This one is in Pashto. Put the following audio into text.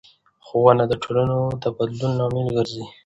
ښوونه د ټولنې د بدلون لامل ګرځي